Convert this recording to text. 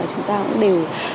chúng ta cũng đều